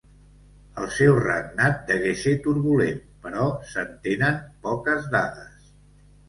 El seu regnat degué ser turbulent però se'n tenen poques dades.